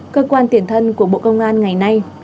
cơ quan tiền thân của bộ công an ngày nay